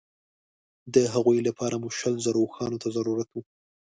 د هغوی لپاره مو شلو زرو اوښانو ته ضرورت وو.